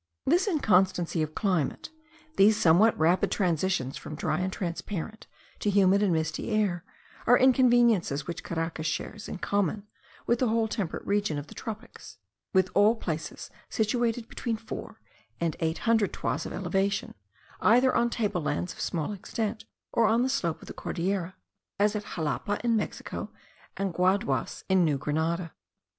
This inconstancy of climate, these somewhat rapid transitions from dry and transparent to humid and misty air, are inconveniences which Caracas shares in common with the whole temperate region of the tropics with all places situated between four and eight hundred toises of elevation, either on table lands of small extent, or on the slope of the Cordilleras, as at Xalapa in Mexico, and Guaduas in New Granada.